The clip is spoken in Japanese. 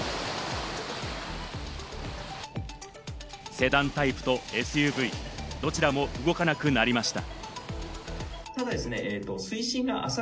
セダンタイプとＳＵＶ、どちらも動かなくなりました。